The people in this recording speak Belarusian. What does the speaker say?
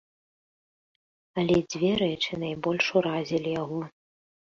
Але дзве рэчы найбольш уразілі яго.